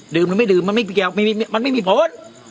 ดื่มหรือไม่ดื่มมันไม่มีมันไม่มีผล